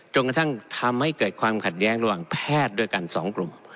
กระทั่งทำให้เกิดความขัดแย้งระหว่างแพทย์ด้วยกัน๒กลุ่ม